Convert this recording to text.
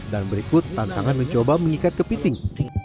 dan berikut tantangan mencoba mengikat kepiting